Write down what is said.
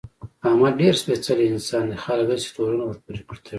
احمد ډېر سپېڅلی انسان دی، خلک هسې تورونه ورپورې تړي.